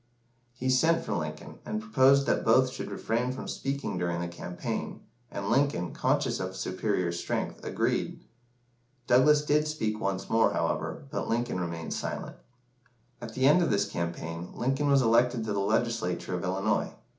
He sent for Lincoln, and proposed that both should refrain from speaking during the campaign, and Lincoln, conscious of superior strength, agreed. Douglas did speak once more, however, but Lincoln remained silent. At the end of this campaign, Lincoln was elected to the Legislature of Illinois.